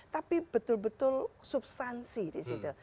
tapi betul betul substansi di situ